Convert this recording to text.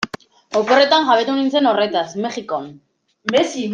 Oporretan jabetu nintzen horretaz, Mexikon.